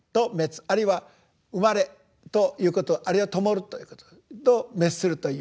あるいは生まれということあるいはともるということと滅するという。